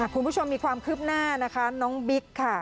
คุณผู้ชมมีความคืบหน้านะคะน้องบิ๊กค่ะ